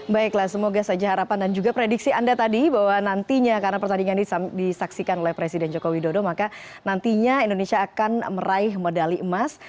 baiklah semoga saja harapan dan juga prediksi anda tadi bahwa nantinya karena pertandingan ini disaksikan oleh presiden joko widodo maka nantinya indonesia akan meraih medali emas